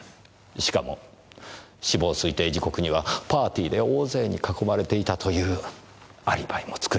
しかも死亡推定時刻にはパーティーで大勢に囲まれていたというアリバイも作れます。